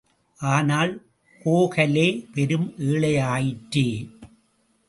ஆனால், கோகலே பெரும் ஏழை ஆயிற்றே!